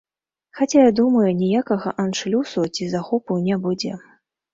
Хаця я думаю, ніякага аншлюсу ці захопу не будзе.